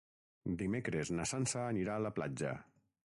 Dimecres na Sança anirà a la platja.